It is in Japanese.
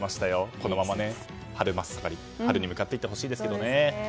このまま春真っ盛り、春に向かっていってほしいですけどね。